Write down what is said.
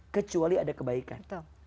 kecuali ada kebaikan